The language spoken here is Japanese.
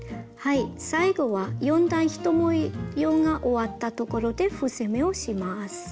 最後は４段１模様が終わったところで伏せ目をします。